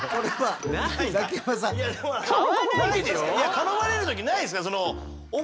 頼まれる時ないですか？